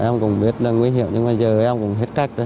dạ em cũng biết là nguy hiểm nhưng mà giờ em cũng hết cách rồi